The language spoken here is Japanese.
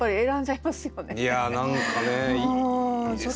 いや何かねいいですよ。